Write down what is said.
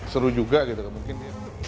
seru juga gitu mungkin